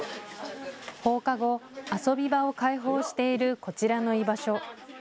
放課後、遊び場を開放しているこちらの居場所。